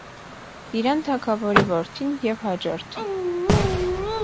Տիրան թագաւորի որդին եւ յաջորդը։